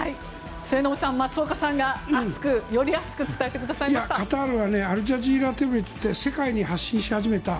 末延さん、松岡さんがより熱く伝えてくれました。